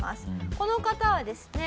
この方はですね